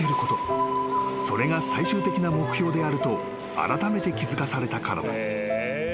［それが最終的な目標であるとあらためて気付かされたからだ］